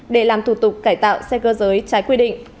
để làm thủ tục cải tạo xe cơ giới trái quy định